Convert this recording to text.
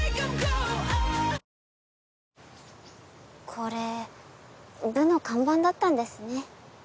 これ部の看板だったんですね。